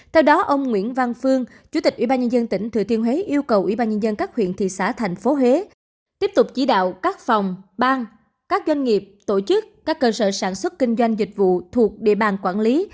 theo đó ông nguyễn văn phương chủ tịch ubnd tỉnh thừa thiên huế yêu cầu ubnd các huyện thị xã thành phố huế tiếp tục chỉ đạo các phòng bang các doanh nghiệp tổ chức các cơ sở sản xuất kinh doanh dịch vụ thuộc địa bàn quản lý